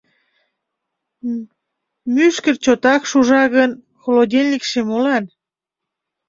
Мӱшкыр чотак шужа гын, холодильникше молан?